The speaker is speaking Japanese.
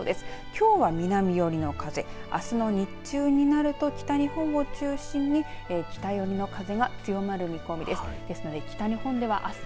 きょうは南寄りの風あすの日中になると北日本を中心に北寄りの風が強まる見込みです。